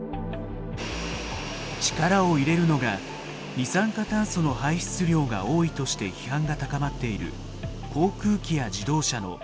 力を入れるのが二酸化炭素の排出量が多いとして批判が高まっている航空機や自動車の脱石油化です。